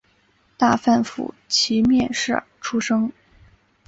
大阪府箕面市出生。